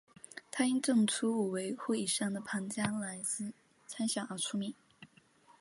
他因证出五维或以上的庞加莱猜想而成名。